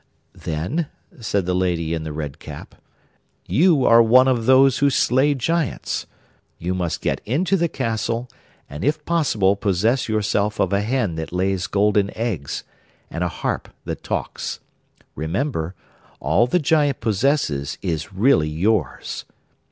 'Then,' said the lady in the red cap, 'you are one of those who slay giants. You must get into the castle, and if possible possess yourself of a hen that lays golden eggs, and a harp that talks. Remember, all the giant possesses is really yours.